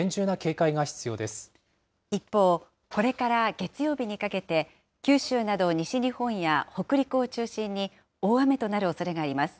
一方、これから月曜日にかけて、九州など西日本や北陸を中心に、大雨となるおそれがあります。